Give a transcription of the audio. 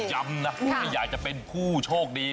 ย้ำนะถ้าอยากจะเป็นผู้โชคดี